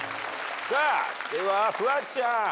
さあではフワちゃん。